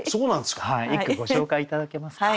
一句ご紹介頂けますか？